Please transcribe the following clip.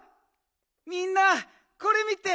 みんなこれ見て！